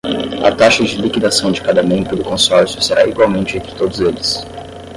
A taxa de liquidação de cada membro do consórcio será igualmente entre todos eles.